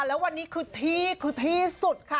แล้ววันนี้คือที่สุดค่ะ